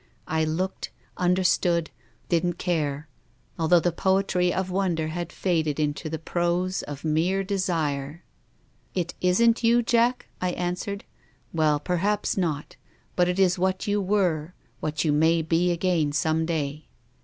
I looked, understood, didn't care ; although the poetry of wonder had faded into the prose of mere desire. "' It isn't you, Jack ?' I answered. ' Well, per haps not. But it is what you were, what you may be again some day.'